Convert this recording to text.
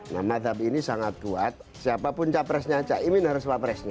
nah madhab ini sangat kuat siapapun capresnya caimin harus wapresnya